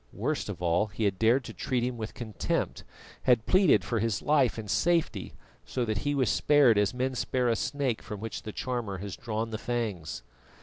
Worst of all, he had dared to treat him with contempt; had pleaded for his life and safety, so that he was spared as men spare a snake from which the charmer has drawn the fangs.